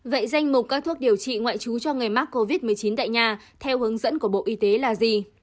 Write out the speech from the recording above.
vậy danh mục các thuốc điều trị ngoại trú cho người mắc covid một mươi chín tại nhà theo hướng dẫn của bộ y tế là gì